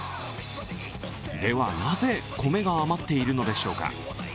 では、なぜ米が余っているのでしょうか？